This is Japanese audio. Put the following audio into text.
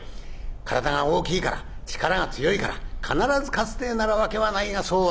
体が大きいから力が強いから必ず勝つってぇならわけはないがそうはいかないんだ。